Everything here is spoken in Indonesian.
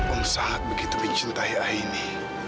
om sangat begitu mencintai aini